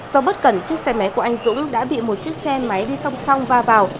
do bất cần chiếc xe máy của anh dũng đã bị một chiếc xe máy đi song song va vào